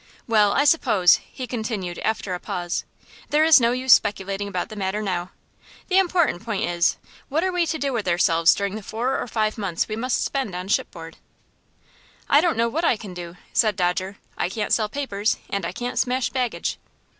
"Well, I suppose," he continued, after a pause, "there is no use in speculating about the matter now. The important point is, what are we to do with ourselves during the four or five months we must spend on shipboard?" "I don't know what I can do," said Dodger. "I can't sell papers, and I can't smash baggage."